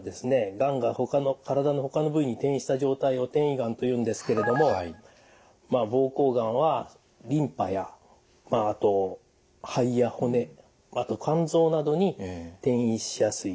がんが体のほかの部位に転移した状態を転移がんというんですけれども膀胱がんはリンパやあと肺や骨あと肝臓などに転移しやすいですね。